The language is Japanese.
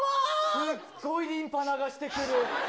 すっごいリンパ流してくる。